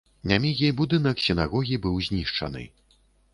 Нямігі будынак сінагогі быў знішчаны.